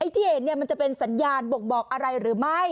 ที่เห็นมันจะเป็นสัญญาณบ่งบอกอะไรหรือไม่